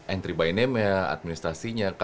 entry by name nya administrasinya